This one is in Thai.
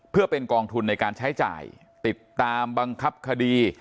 เพื่อเป็นกองทุนในการใช้จ่ายติดตามบังคับคดี